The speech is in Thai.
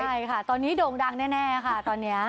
ใช่ค่ะตอนนี้โด่งดังแน่ค่ะตอนนี้